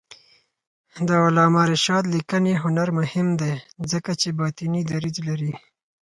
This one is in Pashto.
د علامه رشاد لیکنی هنر مهم دی ځکه چې باطني دریځ لري.